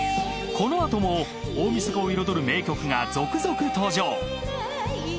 このあとも大晦日を彩る名曲が続々登場。